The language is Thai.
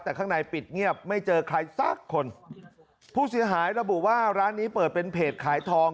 แต่ข้างในปิดเงียบไม่เจอใครสักคนผู้เสียหายระบุว่าร้านนี้เปิดเป็นเพจขายทอง